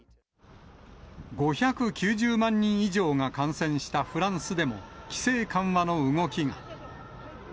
５９０万人以上が感染したフランスでも、規制緩和の動きが。